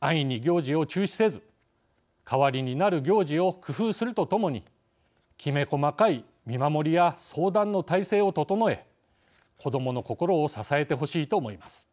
安易に行事を中止せず代わりになる行事を工夫するとともにきめ細かい見守りや相談の体制を整え子どもの心を支えてほしいと思います。